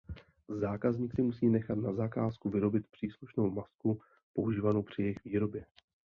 Zákazník si musí nechat na zakázku vyrobit příslušnou masku používanou při jejich výrobě.